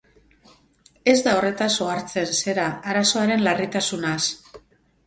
Ez da horretaz ohartzen, zera, arazoaren larritasunaz.